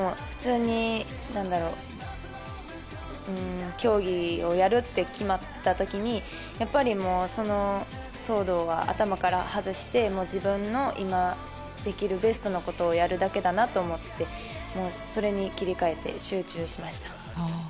普通に競技をやるって決まった時にやっぱり騒動は頭から外して自分の今できるベストなことをやるだけだなと思ってそれに切り替えて集中しました。